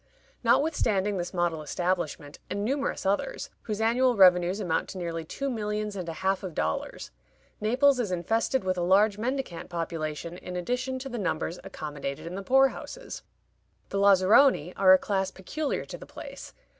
Notwithstanding this model establishment, and numerous others, whose annual revenues amount to nearly two millions and a half of dollars, Naples is infested with a large mendicant population in addition to the numbers accommodated in the poor houses. The Lazaroni are a class peculiar to the place.